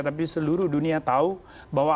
tapi seluruh dunia tahu bahwa